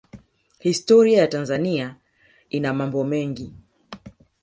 Historia ya Tanzania ina mambo mengi